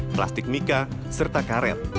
plastik mica serta karet